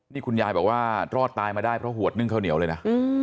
นี่คุณยายบอกว่ารอดตายมาได้เพราะหวดนึ่งข้าวเหนียวเลยนะ